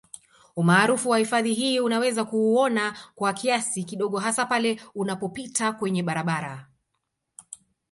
Umaarufu wa hifadhi hii unaweza kuuona kwa kiasi kidogo hasa pale unapopita kwenye barabara